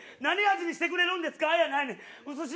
何味にしてくれるんですかやないねん。